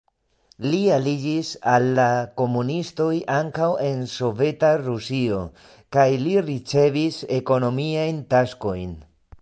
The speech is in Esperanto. Li aliĝis al la komunistoj ankaŭ en Soveta Rusio kaj li ricevis ekonomiajn taskojn.